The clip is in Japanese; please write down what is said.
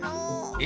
え？